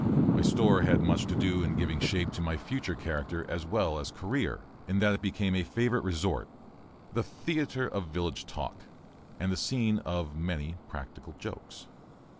My store had much to do in giving shape to my future character as well as career, in that it became a favorite resort; the theatre of village talk, and the scene of many practical jokes.